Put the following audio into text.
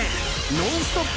ノンストップ！